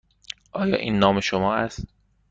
آیا این نام شما است؟